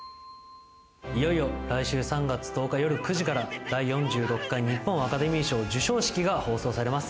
いよいよ来週３月１０日、夜９時から第４６回日本アカデミー賞授賞式が放送されます。